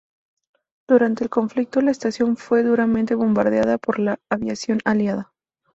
Durante el conflicto, la estación fue duramente bombardeada por la aviación aliada.